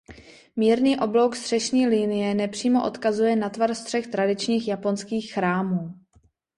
Mírný oblouk střešní linie nepřímo odkazuje na tvar střech tradičních japonských chrámů.